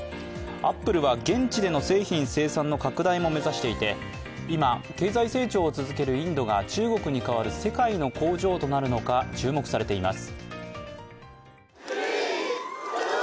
アップルは現地での製品生産の拡大も目指していて、今、経済成長を続けるインドが中国に代わる世界の工場となるのか注目されています。